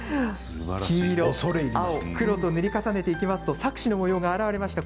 黄色、青、黒と塗り重ねていきますと錯視の模様が現れました。